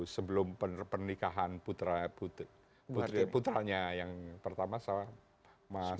sebelum pernikahan putra putri putranya yang pertama sama mas